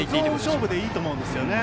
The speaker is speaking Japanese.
ゾーン勝負でいいと思うんですよね。